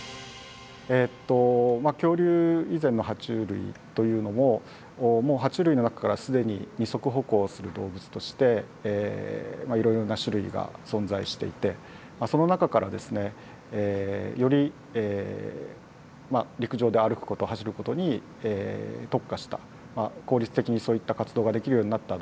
えっと恐竜以前のハチュウ類というのももうハチュウ類の中から既に二足歩行する動物としていろいろな種類が存在していてその中からですねより陸上で歩くこと走ることに特化した効率的にそういった活動ができるようになった